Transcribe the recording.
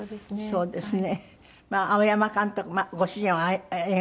そうですか。